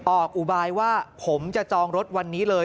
อุบายว่าผมจะจองรถวันนี้เลย